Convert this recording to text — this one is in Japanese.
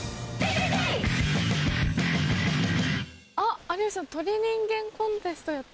あっ有吉さん鳥人間コンテストやってます。